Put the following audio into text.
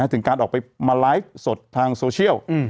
ถึงการออกไปมาไลฟ์สดทางโซเชียล